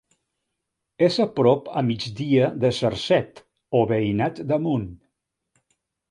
És a prop a migdia de Cercet, o Veïnat d'Amunt.